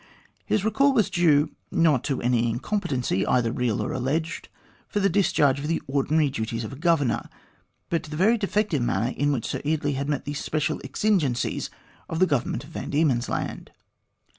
His recall was due, not to any incompetency, either real or alleged, for the discharge of the ordinary duties of a Governor, but to the very defective manner in which Sir Eardley had met the special exigencies of the Government of Van Diemen's Land.